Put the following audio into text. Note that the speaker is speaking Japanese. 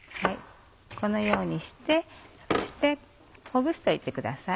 このようにしてそしてほぐしておいてください。